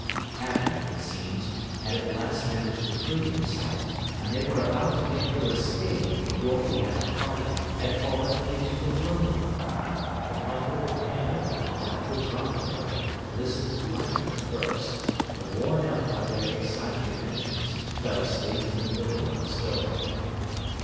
Happy, it seems, had at last managed to free himself, and they were about to make their escape when Dorothy and her party had fallen into the throne room. The Comfortable Camel and Doubtful Dromedary lis tened politely at first, but worn out by their exciting adventures, fell asleep in the middle of the story.